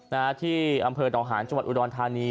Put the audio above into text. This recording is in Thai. ตายที่แอ่นที่อำเภอตอหานยอูดอนทานี